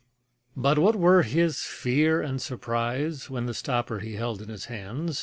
_] But what were his fear and surprise When the stopper he held in his hand!